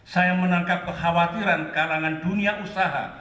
saya menangkap kekhawatiran kalangan dunia usaha